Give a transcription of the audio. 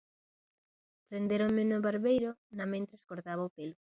Prendéronme no barbeiro, namentres cortaba o pelo.